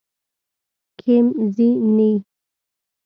کيم ځي ئې